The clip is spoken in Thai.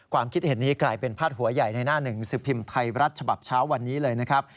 ความคิดเห็นนี้กลายเป็นพาดหัวใหญ่ในหน้าหนึ่งสิบพิมพ์ไทยรัฐฉบับเช้าวันนี้เลยนะครับ